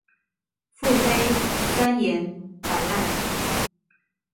腹黑、酸言、擺爛